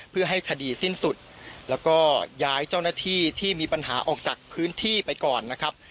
เพื่อให้คดีสิ้นสุดแล้วก็ย้ายเจ้าหน้าที่ที่มีปัญหาออกจากพื้นที่ไปก่อนนะครับ